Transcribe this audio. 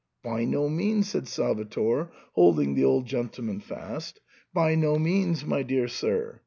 " By no means," said Salvator, holding the old gen tleman fast, " by no means, my dear sir.